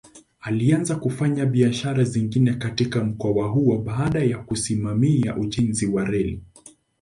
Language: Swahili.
Alianza kufanya biashara zingine katika mkoa huo baada ya kusimamia ujenzi wa reli.